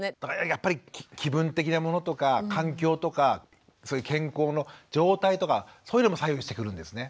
やっぱり気分的なものとか環境とかそういう健康の状態とかそういうのも左右してくるんですね。